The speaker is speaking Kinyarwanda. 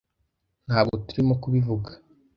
Ntabwo turimo kubivuga.